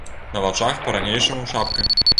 На вачах па-ранейшаму шапка.